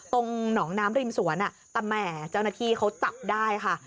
ตรงหนองน้ำริมสวนแต่แหม่เจ้าหน้าที่เขาจับได้ค่ะ